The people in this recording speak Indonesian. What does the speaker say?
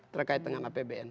terkait dengan apbn